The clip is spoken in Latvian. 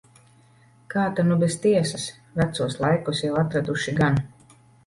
Kā ta nu bez tiesas. Vecos laikos jau atraduši gan.